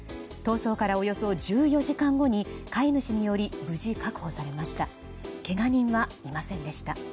逃走から、およそ１４時間後に飼い主により無事、確保されました。